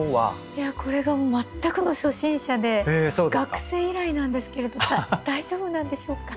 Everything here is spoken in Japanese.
いやこれが全くの初心者で学生以来なんですけれども大丈夫なんでしょうか？